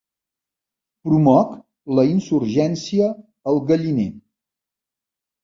Promoc la insurgència al galliner.